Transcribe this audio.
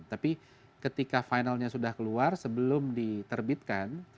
tapi ketika finalnya sudah keluar sebelum diterbitkan